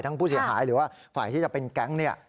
ทั้งผู้เสียหายหรือว่าฝ่ายที่จะเป็นแก๊งก์